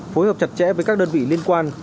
phối hợp chặt chẽ với các đơn vị liên quan